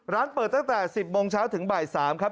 ร้านเปิดตั้งแต่๑๐โมงเช้าถึงบ่าย๓ครับ